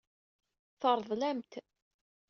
Teṛḍel-am-t.